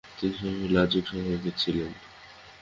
তিনি স্বল্পভাষী লাজুক স্বভাবের ছিলেন।